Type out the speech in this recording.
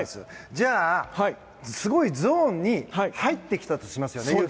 じゃあ、すごいゾーンに勇輝さんが入ってきたとしますよね。